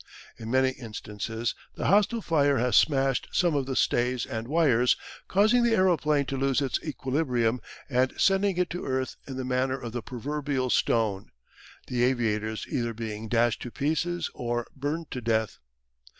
In many instances the hostile fire has smashed some of the stays and wires, causing the aeroplane to lose its equilibrium, and sending it to earth in the manner of the proverbial stone, the aviators either being dashed to pieces or burned to death.